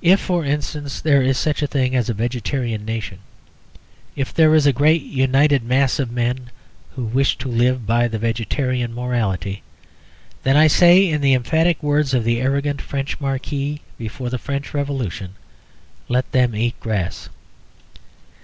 If, for instance, there is such a thing as a vegetarian nation; if there is a great united mass of men who wish to live by the vegetarian morality, then I say in the emphatic words of the arrogant French marquis before the French Revolution, "Let them eat grass."